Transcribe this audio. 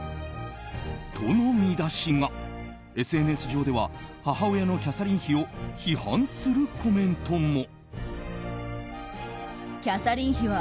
ＳＮＳ上では母親のキャサリン妃を批判するコメントも。